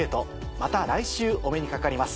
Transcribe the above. また来週お目にかかります。